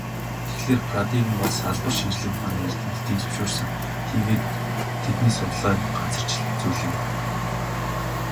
Тэгэхлээр, парадигм бол салбар шинжлэх ухааны эрдэмтдийн зөвшөөрсөн хийгээд тэдний судалгааг газарчилдаг зүйл юм.